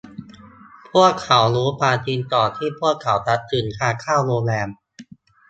พวกเขารู้ความจริงก่อนที่พวกเขาจะถึงทางเข้าโรงแรม